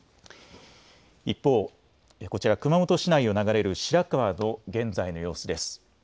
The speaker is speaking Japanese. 一方、こちら熊本市内を流れる白川の現在の様子です。